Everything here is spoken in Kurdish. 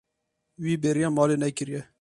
Wî bêriya malê nekiriye.